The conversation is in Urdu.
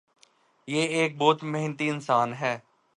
وہ ایک بہت محنتی انسان ہے۔